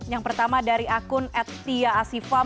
yang pertama dari akun at tia asifa mencuit